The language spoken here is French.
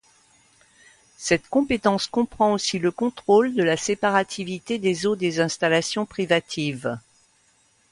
Cette compétence comprend aussi le contrôle de la séparativité des eaux des installations privatives.